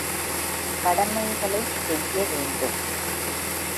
கடமைகளைச் செய்ய வேண்டும்.